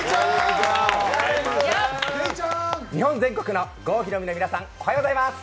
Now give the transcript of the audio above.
日本全国の郷ひろみの皆さん、おはようございます。